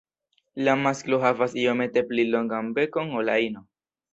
La masklo havas iomete pli longan bekon ol la ino.